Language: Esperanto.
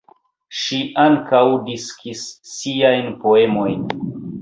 Ŝi ankaŭ diskis siajn poemojn.